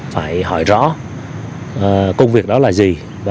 phải hỏi rõ công việc đó là gì